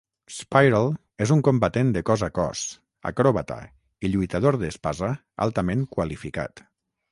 Spiral és un combatent de cos a cos, acròbata i lluitador d'espasa altament qualificat.